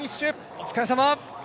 お疲れさま！